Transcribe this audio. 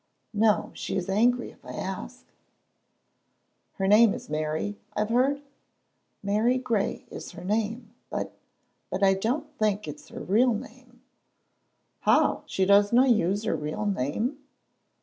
"No, she is angry if I ask." "Her name is Mary, I've heard?" "Mary Gray is her name, but but I don't think it is her real name." "How, does she no use her real name?"